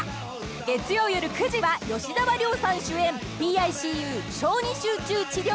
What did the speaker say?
［月曜夜９時は吉沢亮さん主演『ＰＩＣＵ小児集中治療室』］